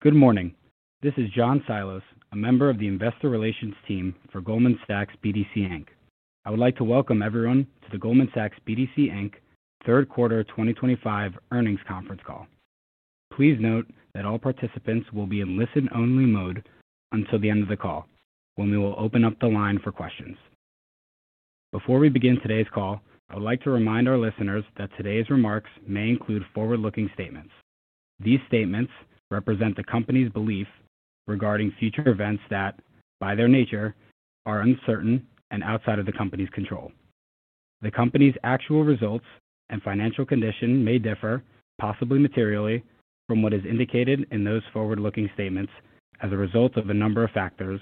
Good morning. This is John Psyllos, a member of the investor relations team for Goldman Sachs BDC, Inc. I would like to welcome everyone to the Goldman Sachs BDC, Inc third quarter 2025 earnings conference call. Please note that all participants will be in listen-only mode until the end of the call, when we will open up the line for questions. Before we begin today's call, I would like to remind our listeners that today's remarks may include forward-looking statements. These statements represent the company's belief regarding future events that, by their nature, are uncertain and outside of the company's control. The company's actual results and financial condition may differ, possibly materially, from what is indicated in those forward-looking statements as a result of a number of factors,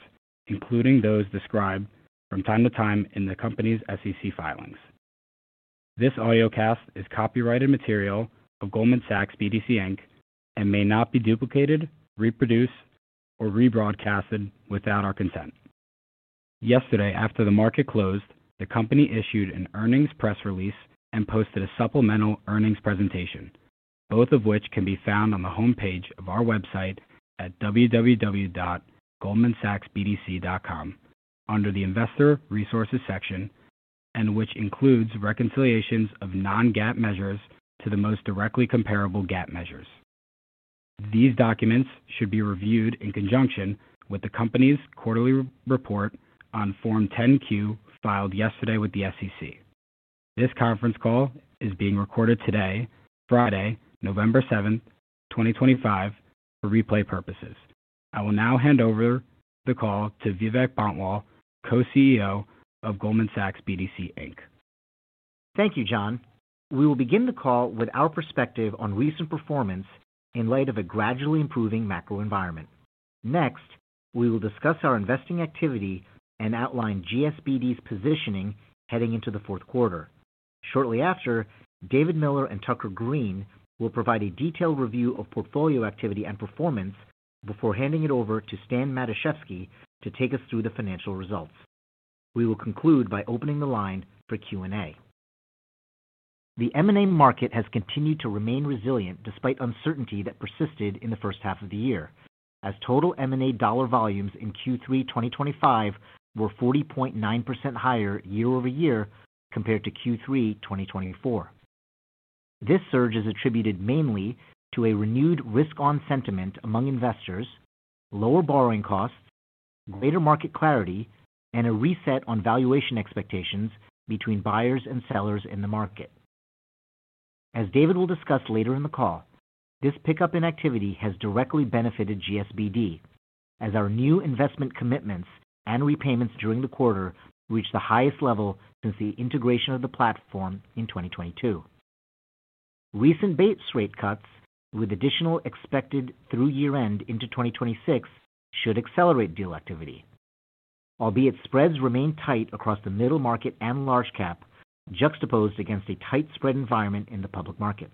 including those described from time to time in the company's SEC filings. This audio cast is copyrighted material of Goldman Sachs BDC, Inc and may not be duplicated, reproduced, or rebroadcasted without our consent. Yesterday, after the market closed, the company issued an earnings press release and posted a supplemental earnings presentation, both of which can be found on the homepage of our website at www.goldmansachsbdc.com under the Investor Resources section, and which includes reconciliations of non-GAAP measures to the most directly comparable GAAP measures. These documents should be reviewed in conjunction with the company's quarterly report on Form 10-Q filed yesterday with the SEC. This conference call is being recorded today, Friday, November 7th, 2025, for replay purposes. I will now hand over the call to Vivek Bantwal, co-CEO of Goldman Sachs BDC, Inc. Thank you, John. We will begin the call with our perspective on recent performance in light of a gradually improving macro environment. Next, we will discuss our investing activity and outline GSBD's positioning heading into the fourth quarter. Shortly after, David Miller and Tucker Greene will provide a detailed review of portfolio activity and performance before handing it over to Stan Matuszewski to take us through the financial results. We will conclude by opening the line for Q&A. The M&A market has continued to remain resilient despite uncertainty that persisted in the first half of the year, as total M&A dollar volumes in Q3 2025 were 40.9% higher year-over-year compared to Q3 2024. This surge is attributed mainly to a renewed risk-on sentiment among investors, lower borrowing costs, greater market clarity, and a reset on valuation expectations between buyers and sellers in the market. As David will discuss later in the call, this pickup in activity has directly benefited GSBD, as our new investment commitments and repayments during the quarter reached the highest level since the integration of the platform in 2022. Recent base rate cuts, with additional expected through year-end into 2026, should accelerate deal activity, albeit spreads remain tight across the middle market and large cap, juxtaposed against a tight spread environment in the public markets.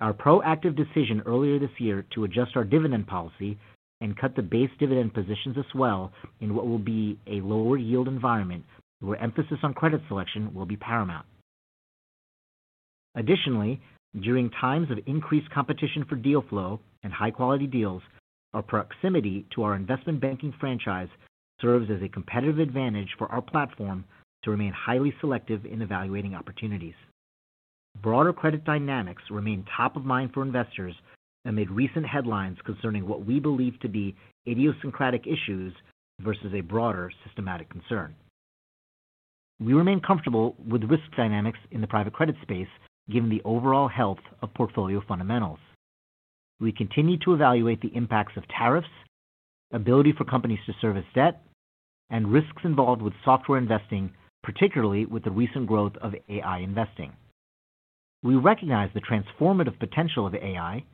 Our proactive decision earlier this year to adjust our dividend policy and cut the base dividend positions us well in what will be a lower yield environment where emphasis on credit selection will be paramount. Additionally, during times of increased competition for deal flow and high-quality deals, our proximity to our investment banking franchise serves as a competitive advantage for our platform to remain highly selective in evaluating opportunities. Broader credit dynamics remain top of mind for investors amid recent headlines concerning what we believe to be idiosyncratic issues versus a broader systematic concern. We remain comfortable with risk dynamics in the private credit space, given the overall health of portfolio fundamentals. We continue to evaluate the impacts of tariffs, ability for companies to service debt, and risks involved with software investing, particularly with the recent growth of AI investing. We recognize the transformative potential of AI,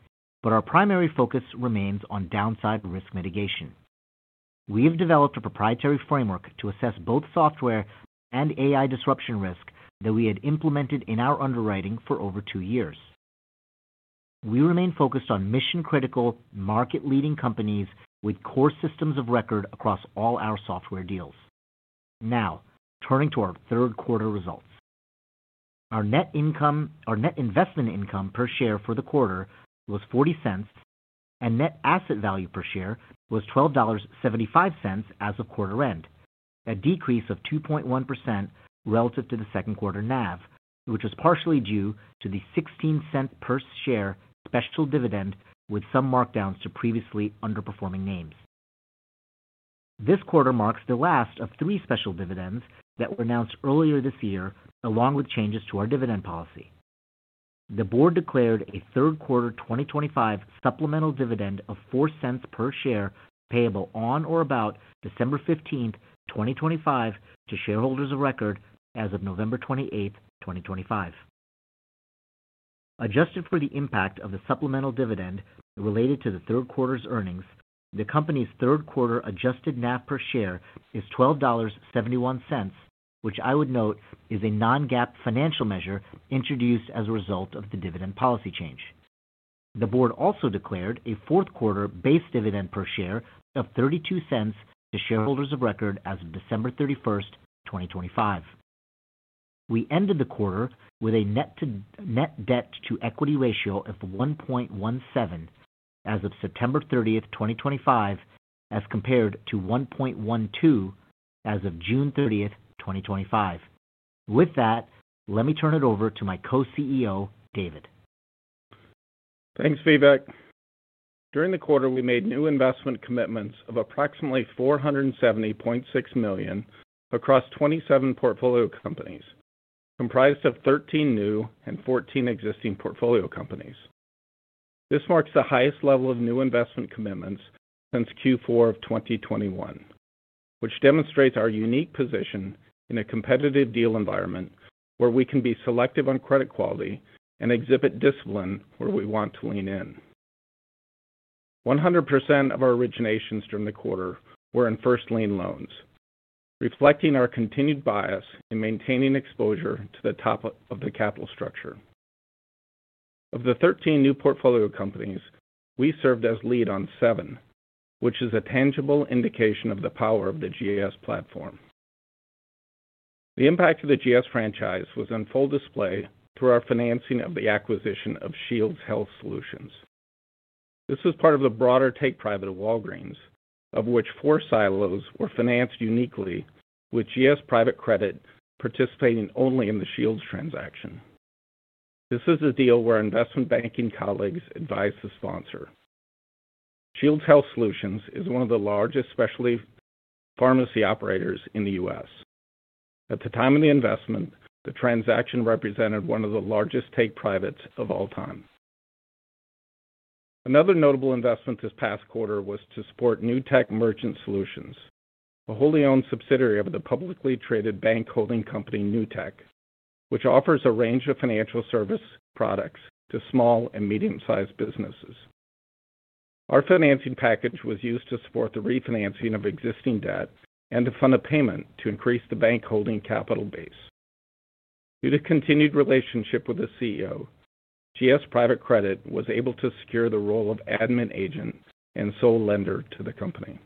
but our primary focus remains on downside risk mitigation. We have developed a proprietary framework to assess both software and AI disruption risk that we had implemented in our underwriting for over two years. We remain focused on mission-critical, market-leading companies with core systems of record across all our software deals. Now, turning to our third quarter results. Our net investment income per share for the quarter was $0.40, and net asset value per share was $12.75 as of quarter end, a decrease of 2.1% relative to the second quarter NAV, which was partially due to the $0.16 per share special dividend, with some markdowns to previously underperforming names. This quarter marks the last of three special dividends that were announced earlier this year, along with changes to our dividend policy. The board declared a third quarter 2025 supplemental dividend of $0.04 per share payable on or about December 15th, 2025, to shareholders of record as of November 28th, 2025. Adjusted for the impact of the supplemental dividend related to the third quarter's earnings, the company's third quarter adjusted NAV per share is $12.71, which I would note is a non-GAAP financial measure introduced as a result of the dividend policy change. The board also declared a fourth quarter base dividend per share of $0.32 to shareholders of record as of December 31st, 2025. We ended the quarter with a net debt-to-equity ratio of 1.17 as of September 30th, 2025, as compared to 1.12 as of June 30th, 2025. With that, let me turn it over to my co-CEO, David. Thanks, Vivek. During the quarter, we made new investment commitments of approximately $470.6 million across 27 portfolio companies, comprised of 13 new and 14 existing portfolio companies. This marks the highest level of new investment commitments since Q4 of 2021, which demonstrates our unique position in a competitive deal environment where we can be selective on credit quality and exhibit discipline where we want to lean in. 100% of our originations during the quarter were in first-lien loans, reflecting our continued bias in maintaining exposure to the top of the capital structure. Of the 13 new portfolio companies, we served as lead on seven, which is a tangible indication of the power of the GS platform. The impact of the GS franchise was on full display through our financing of the acquisition of Shields Health Solutions. This was part of the broader take private of Walgreens, of which four silos were financed uniquely, with GS private credit participating only in the Shields transaction. This is a deal where investment banking colleagues advised the sponsor. Shields Health Solutions is one of the largest specialty pharmacy operators in the U.S. At the time of the investment, the transaction represented one of the largest take privates of all time. Another notable investment this past quarter was to support Newtek Merchant Solutions, a wholly owned subsidiary of the publicly traded bank holding company Newtek, which offers a range of financial service products to small and medium-sized businesses. Our financing package was used to support the refinancing of existing debt and to fund a payment to increase the bank holding capital base. Due to continued relationship with the CEO, GS private credit was able to secure the role of admin agent and sole lender to the company.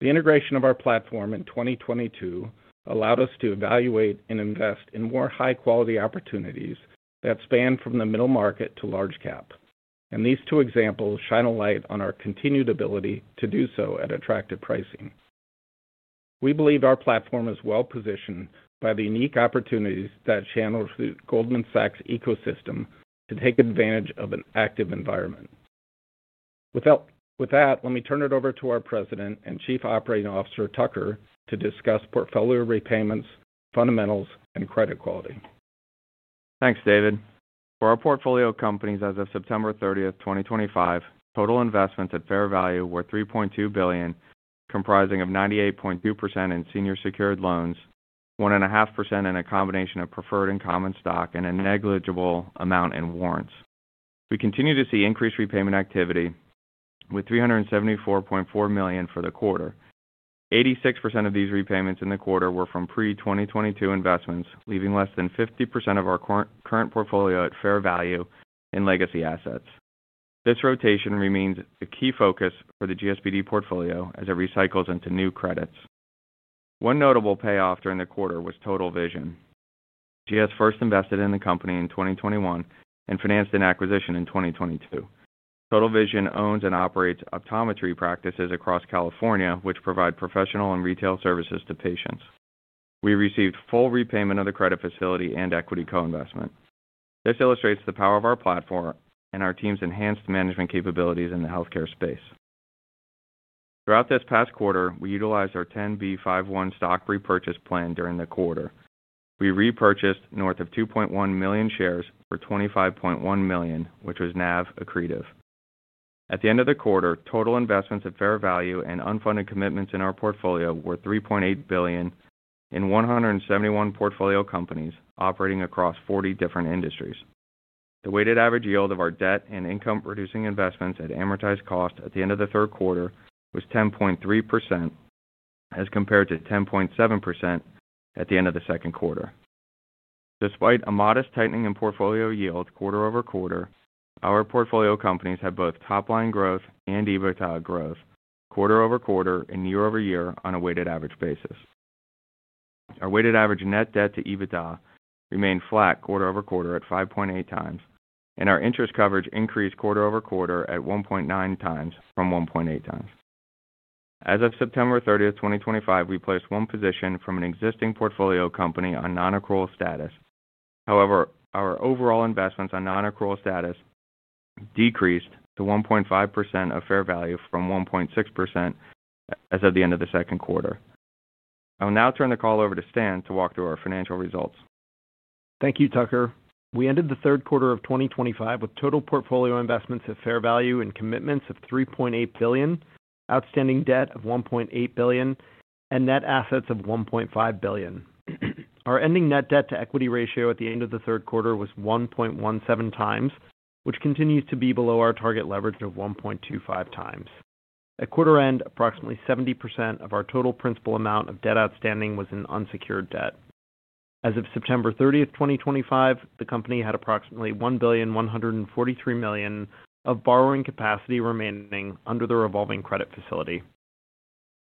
The integration of our platform in 2022 allowed us to evaluate and invest in more high-quality opportunities that span from the middle market to large cap, and these two examples shine a light on our continued ability to do so at attractive pricing. We believe our platform is well positioned by the unique opportunities that channel through Goldman Sachs' ecosystem to take advantage of an active environment. With that, let me turn it over to our President and Chief Operating Officer, Tucker, to discuss portfolio repayments, fundamentals, and credit quality. Thanks, David. For our portfolio companies, as of September 30th, 2025, total investments at fair value were $3.2 billion, comprising of 98.2% in senior secured loans, 1.5% in a combination of preferred and common stock, and a negligible amount in warrants. We continue to see increased repayment activity with $374.4 million for the quarter. 86% of these repayments in the quarter were from pre-2022 investments, leaving less than 50% of our current portfolio at fair value in legacy assets. This rotation remains a key focus for the GSBD portfolio as it recycles into new credits. One notable payoff during the quarter was Total Vision. GS first invested in the company in 2021 and financed an acquisition in 2022. Total Vision owns and operates optometry practices across California, which provide professional and retail services to patients. We received full repayment of the credit facility and equity co-investment. This illustrates the power of our platform and our team's enhanced management capabilities in the healthcare space. Throughout this past quarter, we utilized our 10b5-1 stock repurchase plan during the quarter. We repurchased north of 2.1 million shares for $25.1 million, which was NAV accretive. At the end of the quarter, total investments at fair value and unfunded commitments in our portfolio were $3.8 billion in 171 portfolio companies operating across 40 different industries. The weighted average yield of our debt and income-producing investments at amortized cost at the end of the third quarter was 10.3%, as compared to 10.7% at the end of the second quarter. Despite a modest tightening in portfolio yield quarter-over-quarter, our portfolio companies had both top-line growth and EBITDA growth quarter-over-quarter and year-over-year on a weighted average basis. Our weighted average net debt to EBITDA remained flat quarter-over-quarter at 5.8x, and our interest coverage increased quarter-over-quarter at 1.9x from 1.8x. As of September 30th, 2025, we placed one position from an existing portfolio company on non-accrual status. However, our overall investments on non-accrual status decreased to 1.5% of fair value from 1.6% as of the end of the second quarter. I will now turn the call over to Stan to walk through our financial results. Thank you, Tucker. We ended the third quarter of 2025 with total portfolio investments at fair value and commitments of $3.8 billion, outstanding debt of $1.8 billion, and net assets of $1.5 billion. Our ending net debt-to-equity ratio at the end of the third quarter was 1.17x, which continues to be below our target leverage of 1.25x. At quarter end, approximately 70% of our total principal amount of debt outstanding was in unsecured debt. As of September 30th, 2025, the company had approximately $1,143 million of borrowing capacity remaining under the revolving credit facility.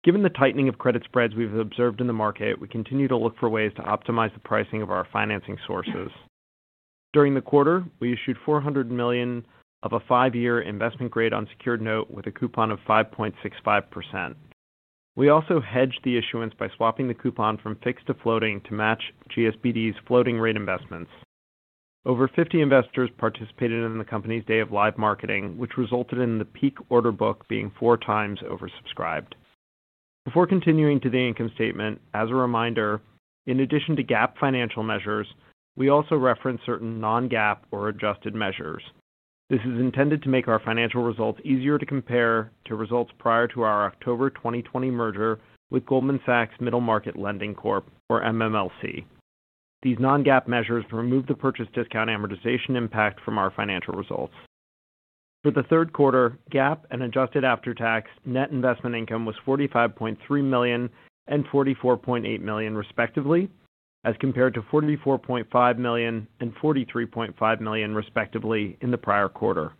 Given the tightening of credit spreads we've observed in the market, we continue to look for ways to optimize the pricing of our financing sources. During the quarter, we issued $400 million of a five-year investment grade unsecured note with a coupon of 5.65%. We also hedged the issuance by swapping the coupon from fixed to floating to match GSBD's floating rate investments. Over 50 investors participated in the company's day of live marketing, which resulted in the peak order book being four times oversubscribed. Before continuing to the income statement, as a reminder, in addition to GAAP financial measures, we also reference certain non-GAAP or adjusted measures. This is intended to make our financial results easier to compare to results prior to our October 2020 merger with Goldman Sachs Middle Market Lending Corp, or MMLC. These non-GAAP measures remove the purchase discount amortization impact from our financial results. For the third quarter, GAAP and adjusted after-tax, net investment income was $45.3 million and $44.8 million, respectively, as compared to $44.5 million and $43.5 million, respectively, in the prior quarter.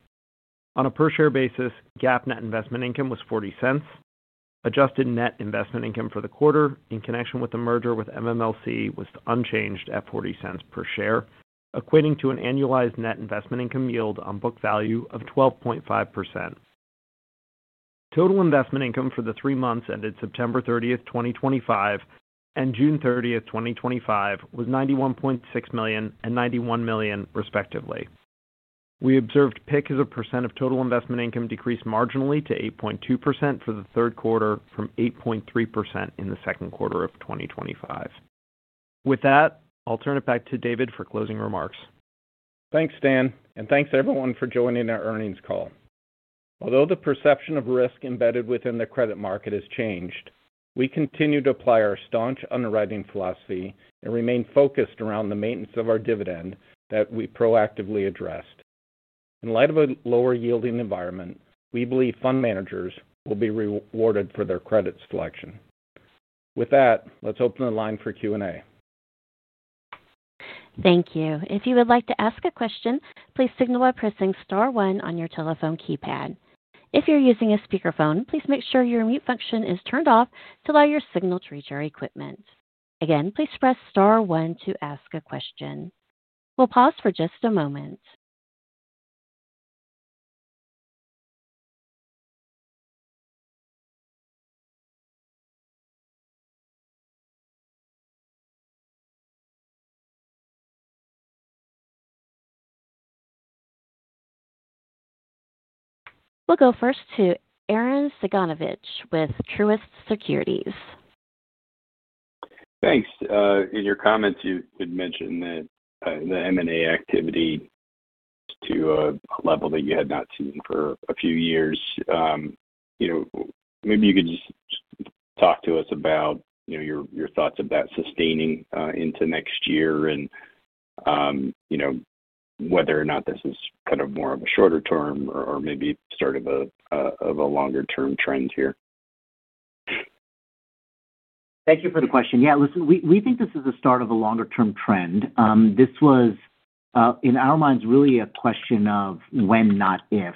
On a per-share basis, GAAP net investment income was $0.40. Adjusted net investment income for the quarter, in connection with the merger with MMLC, was unchanged at $0.40 per share, equating to an annualized net investment income yield on book value of 12.5%. Total investment income for the three months ended September 30th, 2025, and June 30th, 2025, with $91.6 million and $91 million, respectively. We observed PIK as a percent of total investment income decreased marginally to 8.2% for the third quarter from 8.3% in the second quarter of 2025. With that, I'll turn it back to David for closing remarks. Thanks, Dan, and thanks to everyone for joining our earnings call. Although the perception of risk embedded within the credit market has changed, we continue to apply our staunch underwriting philosophy and remain focused around the maintenance of our dividend that we proactively addressed. In light of a lower-yielding environment, we believe fund managers will be rewarded for their credit selection. With that, let's open the line for Q&A. Thank you. If you would like to ask a question, please signal by pressing star one on your telephone keypad. If you're using a speakerphone, please make sure your mute function is turned off to allow your signal to reach our equipment. Again, please press star one to ask a question. We'll pause for just a moment. We'll go first to Arren Cyganovich with Truist Securities. Thanks. In your comments, you had mentioned that the M&A activity is to a level that you had not seen for a few years. Maybe you could just talk to us about your thoughts of that sustaining into next year and whether or not this is kind of more of a shorter term or maybe sort of a longer-term trend here. Thank you for the question. Yeah, listen, we think this is the start of a longer-term trend. This was, in our minds, really a question of when, not if,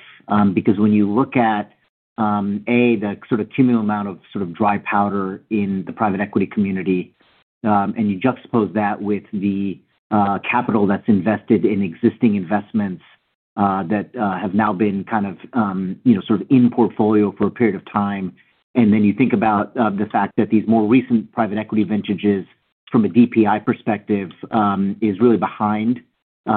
because when you look at, A, the sort of cumulative amount of sort of dry powder in the private equity community, and you juxtapose that with the capital that's invested in existing investments that have now been kind of sort of in portfolio for a period of time, you think about the fact that these more recent private equity vintages from a DPI perspective is really behind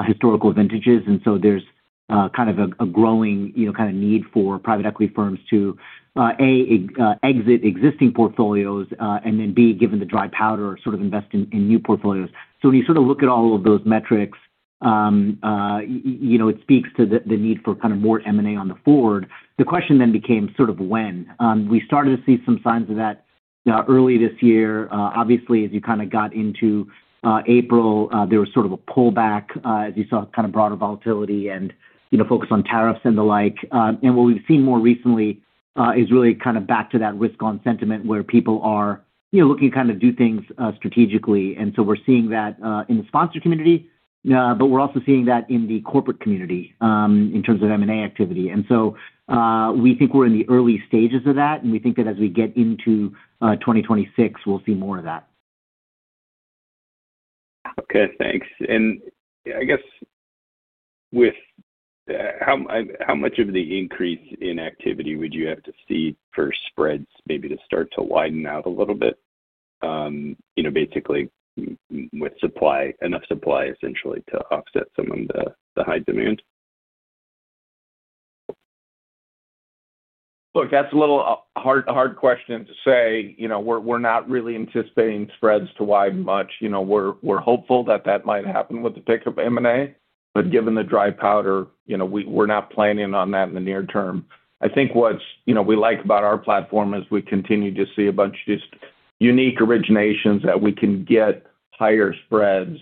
historical vintages. There is kind of a growing kind of need for private equity firms to, A, exit existing portfolios, and then, B, given the dry powder, sort of invest in new portfolios. When you sort of look at all of those metrics, it speaks to the need for kind of more M&A on the forward. The question then became sort of when. We started to see some signs of that early this year. Obviously, as you kind of got into April, there was sort of a pullback as you saw kind of broader volatility and focus on tariffs and the like. What we've seen more recently is really kind of back to that risk-on sentiment where people are looking to kind of do things strategically. We are seeing that in the sponsor community, but we're also seeing that in the corporate community in terms of M&A activity. We think we're in the early stages of that, and we think that as we get into 2026, we'll see more of that. Okay, thanks. I guess with how much of the increase in activity would you have to see for spreads maybe to start to widen out a little bit, basically with enough supply essentially to offset some of the high demand? Look, that's a little hard question to say. We're not really anticipating spreads to widen much. We're hopeful that that might happen with the pickup of M&A, but given the dry powder, we're not planning on that in the near term. I think what we like about our platform is we continue to see a bunch of just unique originations that we can get higher spreads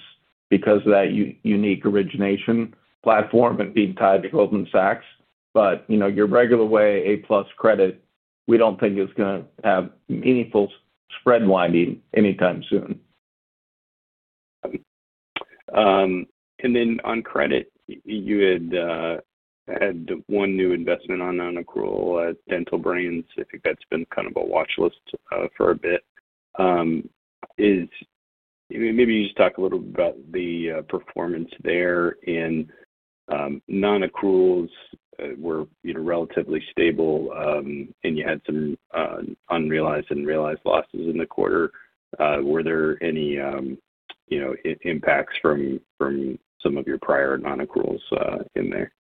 because of that unique origination platform and being tied to Goldman Sachs. Your regular way A+ credit, we don't think is going to have meaningful spread widening anytime soon. On credit, you had one new investment on non-accrual at Dental Brands. I think that's been kind of a watch list for a bit. Maybe you just talk a little bit about the performance there. In non-accruals, were relatively stable, and you had some unrealized and realized losses in the quarter. Were there any impacts from some of your prior non-accruals in there?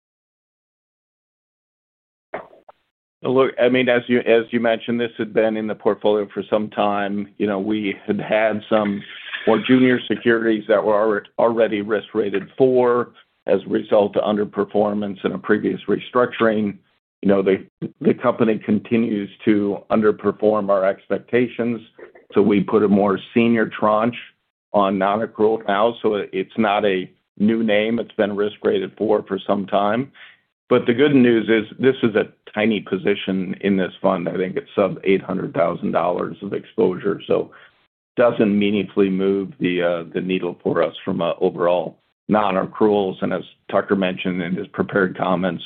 Look, I mean, as you mentioned, this had been in the portfolio for some time. We had had some more junior securities that were already risk-rated for as a result of underperformance in a previous restructuring. The company continues to underperform our expectations, so we put a more senior tranche on non-accrual now. It is not a new name. It has been risk-rated for some time. The good news is this is a tiny position in this fund. I think it is sub $800,000 of exposure. It does not meaningfully move the needle for us from an overall non-accruals. As Tucker mentioned in his prepared comments,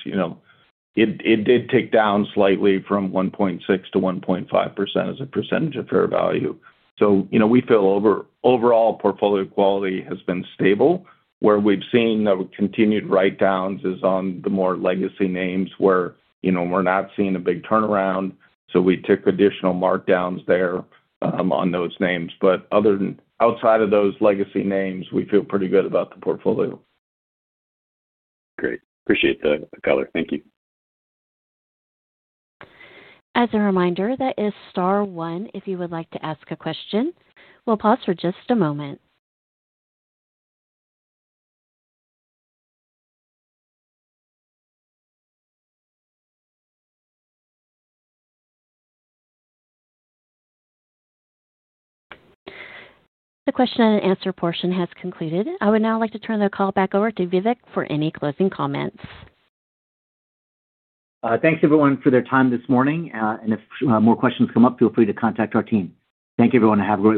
it did tick down slightly from 1.6%-1.5% as a percentage of fair value. We feel overall portfolio quality has been stable. Where we have seen continued write-downs is on the more legacy names where we are not seeing a big turnaround. We took additional markdowns there on those names. Outside of those legacy names, we feel pretty good about the portfolio. Great. Appreciate the color. Thank you. As a reminder, that is star one if you would like to ask a question. We'll pause for just a moment. The question and answer portion has concluded. I would now like to turn the call back over to Vivek for any closing comments. Thanks, everyone, for their time this morning. If more questions come up, feel free to contact our team. Thank you, everyone, and have a great day.